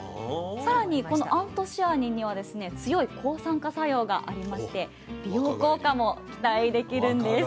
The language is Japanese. さらにこのアントシアニンにはですね強い抗酸化作用がありまして美容効果も期待できるんです。